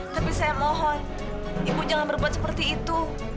tapi saya mohon ibu jangan berbuat seperti itu